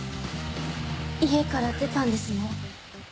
家から出たんですね。